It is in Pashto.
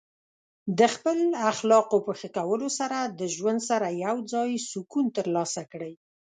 د خپل اخلاقو په ښه کولو سره د ژوند سره یوځای سکون ترلاسه کړئ.